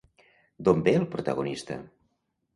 D'on ve el protagonista?